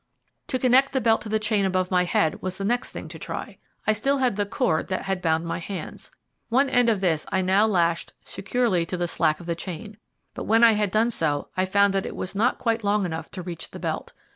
To connect the belt to the chain above my head was the next thing to try. I had still the cord that had bound my hands. One end of this I now lashed securely to the slack of the chain, but when I had done so I found that it was not quite long enough to reach the belt.